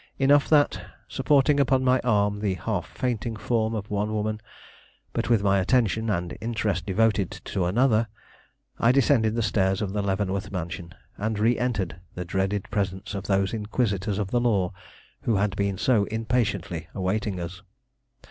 Enough that, supporting upon my arm the half fainting form of one woman, but with my attention, and interest devoted to another, I descended the stairs of the Leavenworth mansion, and re entered the dreaded presence of those inquisitors of the law who had been so impatiently awaiting us.